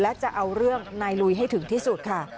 และจะเอาเรื่องนายลุยให้ถึงที่สุดค่ะ